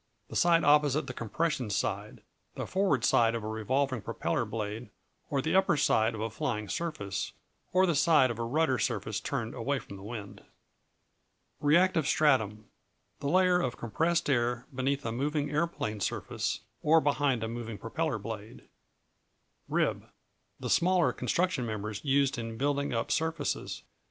The side opposite the compression side: the forward side of a revolving propeller blade, or the upper side of a flying surface, or the side of a rudder surface turned away from the wind. Reactive Stratum The layer of compressed air beneath a moving aeroplane surface, or behind a moving propeller blade. Rib The smaller construction members used in building up surfaces.